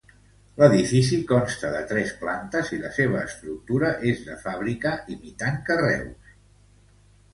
L'edifici consta de tres plantes i la seva estructura és de fàbrica imitant carreus.